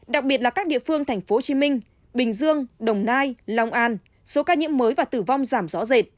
đặc biệt là các địa phương thành phố hồ chí minh bình dương đồng nai long an số ca nhiễm mới và tử vong giảm rõ rệt